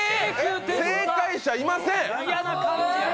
正解者いません！